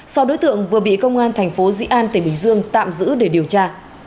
sau đối tượng vừa bị công an thành phố dĩ an tỉnh bình dương tạm giữ để điều tra